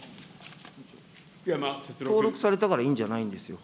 登録されたからいいんじゃないんですよ。